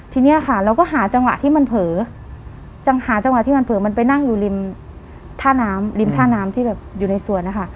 ทีนี้เราก็หาจังหวะที่มันเผลอมันไปนั่งอยู่ริมท่าน้ำที่อยู่ในส่วน